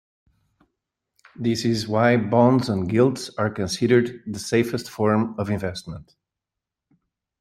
This is why bonds and gilts are considered the safest form of investment.